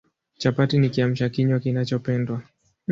Chapati ni Kiamsha kinywa kinachopendwa